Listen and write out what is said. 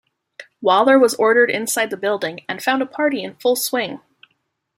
Waller was ordered inside the building, and found a party in full swing.